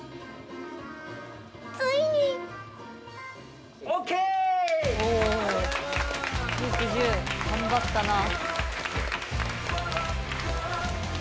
ついに頑張ったなぁ。